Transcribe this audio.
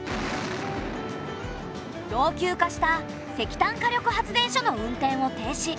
老朽化した石炭火力発電所の運転を停止。